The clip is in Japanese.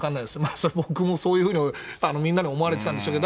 それ、僕もそういうふうにみんなに思われてたんでしょうけど。